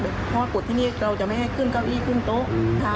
เพราะว่ากดที่นี่เราจะไม่ให้ขึ้นเก้าอี้ขึ้นโต๊ะ